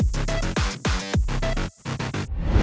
ครับ